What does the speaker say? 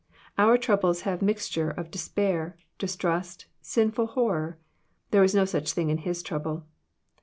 — Our troubles have mixture of despair, distrust, sinM horror; there was no such thing in His trouble.